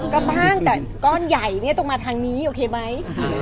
ก็บ้างแต่ก้อนใหญ่เนี่ยตรงมาทางนี้โอเคไหม